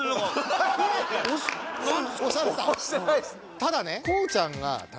ただね